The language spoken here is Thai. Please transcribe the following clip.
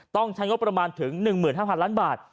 ต้องใช้งบประมาณถึง๑๕๐๐ล้านบาท